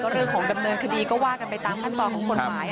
เรื่องของดำเนินคดีก็ว่ากันไปตามขั้นตอนของกฎหมาย